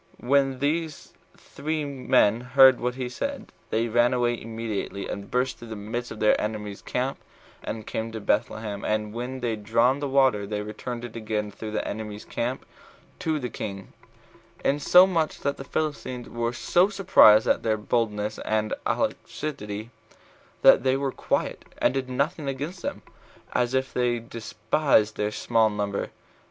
When these three men heard what he said, they ran away immediately, and burst through the midst of their enemy's camp, and came to Bethlehem; and when they had drawn the water, they returned again through the enemy's camp to the king, insomuch that the Philistines were so surprised at their boldness and alacrity, that they were quiet, and did nothing against them, as if they despised their small number.